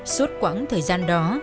suốt quãng thời gian đó